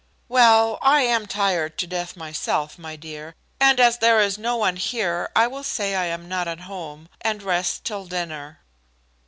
"Well, I am tired to death myself, my dear, and as there is no one here I will say I am not at home, and rest till dinner."